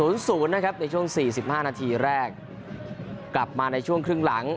ในช่วง๔๕นาทีแรกกลับมาในช่วงครึ่งหลัง